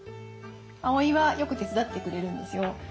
碧はよく手伝ってくれるんですよ。